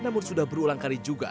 namun sudah berulang kali juga